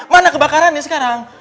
mana kebakarannya sekarang